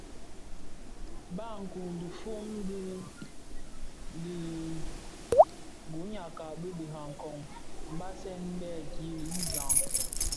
Barkun, dhifom di dhiguňakka di birakong mbasèn bè gil za.